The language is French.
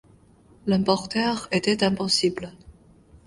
L’emporter était impossible.